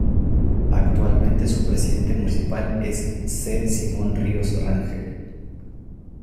Actualmente su presidente municipal es C. Simón Ríos Rangel.